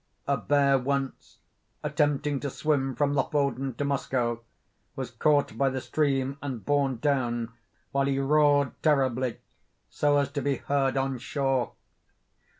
A bear once, attempting to swim from Lofoden to Moskoe, was caught by the stream and borne down, while he roared terribly, so as to be heard on shore.